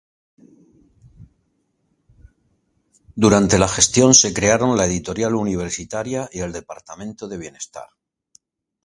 Durante su gestión se crearon la Editorial Universitaria y el Departamento de Bienestar.